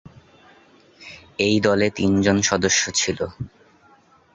এই দলে তিনজন সদস্য ছিল।